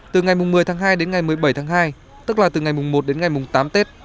từ ngày một mươi tháng hai đến ngày một mươi bảy tháng hai tức là từ ngày một đến ngày tám tết